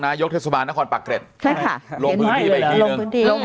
นายกเทศบาลนครปากเกร็ดลงพื้นที่ไปอีกทีหนึ่ง